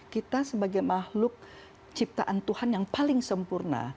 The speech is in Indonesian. kita sebagai makhluk ciptaan tuhan yang paling sempurna